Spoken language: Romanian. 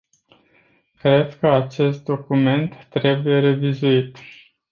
Cred că acest document trebuie revizuit.